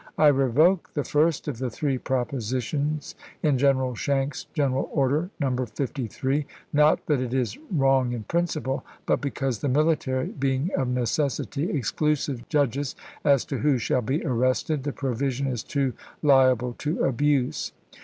I revoke the first of the three propositions in General Schenck's Gen eral Order, No. 53; not that it is wrong in principle, but because the military, being of necessity exclusive judges as to who shall be arrested, the provision is too liable to abuse.